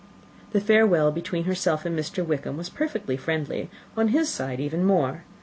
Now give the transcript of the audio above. The farewell between herself and Mr. Wickham was perfectly friendly; on his side even more.